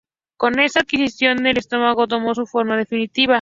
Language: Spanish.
Con esta adquisición el estado tomó su forma definitiva.